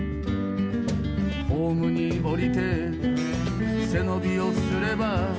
「ホームに降りて背伸びをすれば」